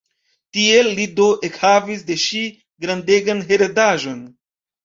Tiel li do ekhavis de ŝi grandegan heredaĵon.